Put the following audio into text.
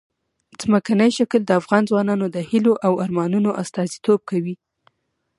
ځمکنی شکل د افغان ځوانانو د هیلو او ارمانونو استازیتوب کوي.